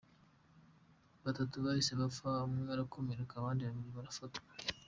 Batatu bahise bapfa, umwe arakomereka abandi babiri barafatwa.